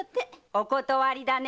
お断りだね！